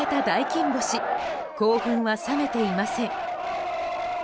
興奮は冷めていません。